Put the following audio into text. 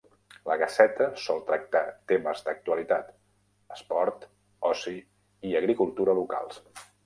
La "Gaceta" sol tractar temes d'actualitat, esport, oci i agricultura locals.